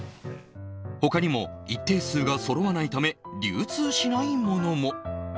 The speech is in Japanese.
ほかにも、一定数がそろわないため流通しないものも。